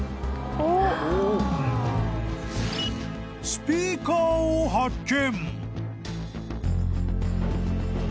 ［スピーカーを発見］